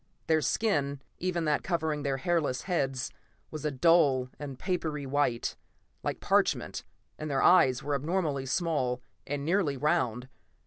Their skin, even that covering their hairless heads, was a dull and papery white, like parchment, and their eyes were abnormally small, and nearly round.